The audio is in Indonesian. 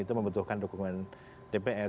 itu membutuhkan dukungan dpr